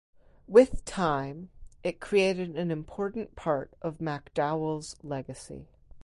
With time, it created an important part of MacDowell's legacy.